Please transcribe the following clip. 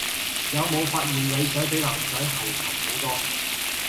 有冇發現女仔比男仔猴擒好多